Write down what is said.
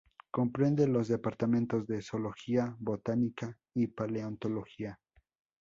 Comprende los departamentos de Zoología, Botánica y Paleontología.